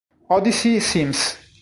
Odyssey Sims